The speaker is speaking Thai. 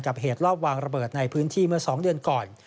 เหตุรอบวางระเบิดในพื้นที่เมื่อ๒เดือนก่อน